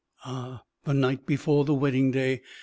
Ah! the night before the wedding day!